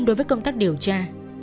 đối với công tác điều tra